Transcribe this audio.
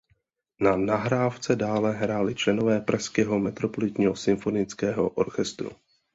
Na nahrávce dále hráli členové Pražského metropolitního symfonického orchestru.